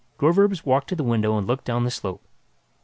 Groverzb walked to the window and looked down the slope.